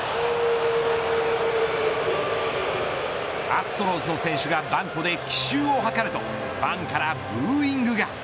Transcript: アストロズの選手がバントで奇襲を図るとファンからブーイングが。